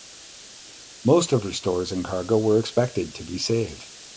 Most of her stores and cargo was expected to be saved.